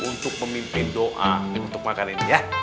untuk memimpin doa untuk makan ini ya